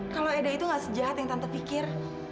kalau eda itu gak sejahat yang tante pikir